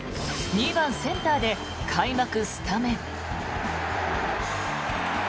２番センターで開幕スタメン。